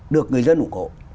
được người dân ủng hộ